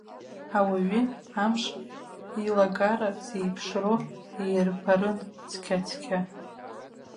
Ауаҩы амш илагара зеиԥшроу иирбарын, цқьа-цқьа.